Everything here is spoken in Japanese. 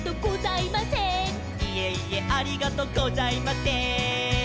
「いえいえありがとうございませーん」